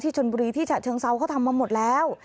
ชนบุรีที่ฉะเชิงเซาเขาทำมาหมดแล้ว